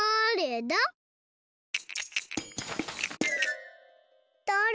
だれ？